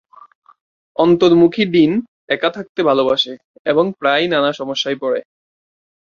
অন্তর্মুখী ডিন একা থাকতে ভালোবাসে এবং প্রায়ই নানা সমস্যায় পড়ে।